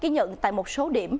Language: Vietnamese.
ký nhận tại một số điểm